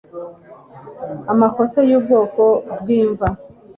Amakosa yubwoko bwimva